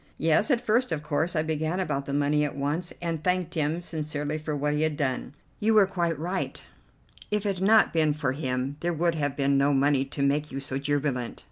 "Yes, at first, of course. I began about the money at once, and thanked him sincerely for what he had done." "You were quite right; if it had not been for him there would have been no money to make you so jubilant."